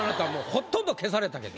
ほとんど消されたけど。